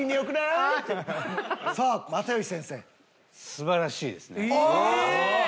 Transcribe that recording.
素晴らしいですか！